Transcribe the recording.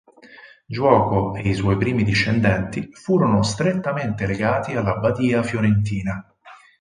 Giuoco e i suoi primi discendenti furono strettamente legati alla Badia fiorentina.